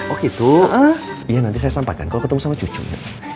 oh gitu ya nanti saya sampaikan kalau ketemu sama cucunya